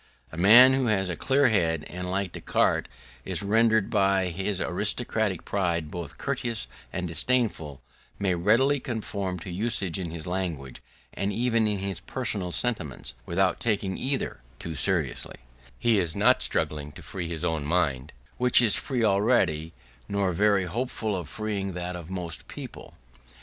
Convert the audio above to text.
A man who has a clear head, and like Descartes is rendered by his aristocratic pride both courteous and disdainful, may readily conform to usage in his language, and even in his personal sentiments, without taking either too seriously: he is not struggling to free his own mind, which is free already, nor very hopeful of freeing that of most people.